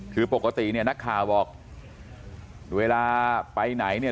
คือปกติเนี่ยนักข่าวบอกเวลาไปไหนเนี่ย